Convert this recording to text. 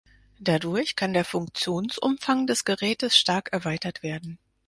Dadurch kann der Funktionsumfang des Gerätes stark erweitert werden.